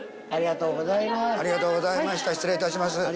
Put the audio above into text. ありがとうございます。